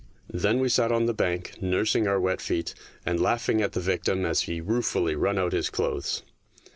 Then we sat on the bank nursing our wet feet, and laugh ing at the victim as he ruefully wrung out his clothes.